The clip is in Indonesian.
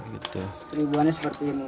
seribuannya seperti ini